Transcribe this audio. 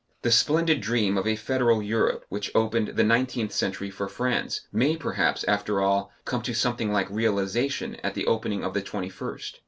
The splendid dream of a Federal Europe, which opened the nineteenth century for France, may perhaps, after all, come to something like realization at the opening of the twenty first.